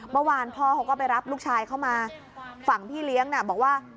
เมื่อวานพ่อเขาก็ไปรับลูกชายเข้ามาฝั่งพี่เลี้ยงน่ะบอกว่า